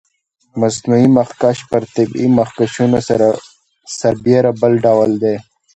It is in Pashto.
مصنوعي مخکش پر طبیعي مخکشونو سربېره بل ډول دی.